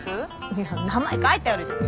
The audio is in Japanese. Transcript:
いや名前書いてあるじゃん。